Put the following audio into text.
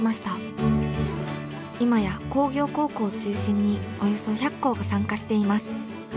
今や工業高校を中心におよそ１００校が参加しています。